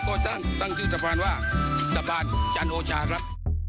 ก็ตั้งชื่อสะพานว่าสะพานจันโอชาครับ